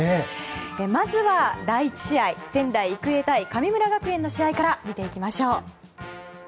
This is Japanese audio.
まずは第１試合仙台育英対神村学園の試合から見ていきましょう。